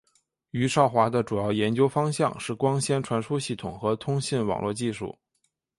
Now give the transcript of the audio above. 余少华的主要研究方向是光纤传输系统和通信网络技术。